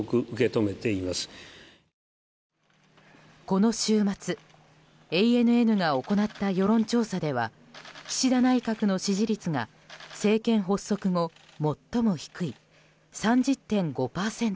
この週末ＡＮＮが行った世論調査では岸田内閣の支持率が政権発足後最も低い３０．５％に。